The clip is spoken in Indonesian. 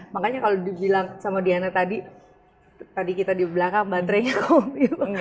makanya kalau dibilang sama diana tadi tadi kita di belakang baterai itu